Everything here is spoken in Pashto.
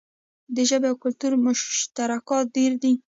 د ژبې او کلتور مشترکات ډیر دي.